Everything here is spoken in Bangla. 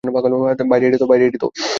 ভাই রেডি তো?